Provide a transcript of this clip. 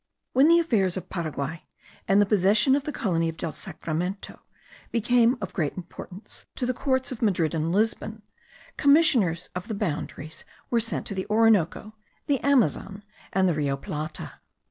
When the affairs of Paraguay, and the possession of the colony of Del Sacramento, became of great importance to the courts of Madrid and Lisbon, commissioners of the boundaries were sent to the Orinoco, the Amazon, and the Rio Plata.